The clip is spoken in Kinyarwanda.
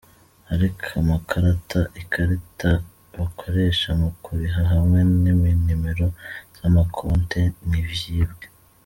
Ariko amakarata ikarata bakoresha mu kuriha hamwe na nimero z’amakonte ntivyibwe.